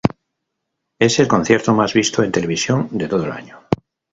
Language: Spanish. Es el concierto más visto en televisión de todo el año.